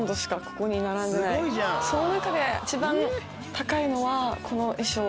その中で一番高いのはこの衣装。